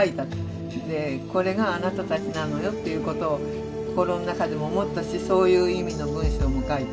これがあなたたちなのよっていうことを心の中でも思ったしそういう意味の文章も書いた。